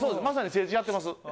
まさに政治やってます。